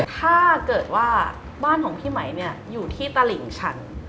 ถ้าเกิดว่าบ้านของพี่ไหมเนี่ยอยู่ที่ตลิ่งชัน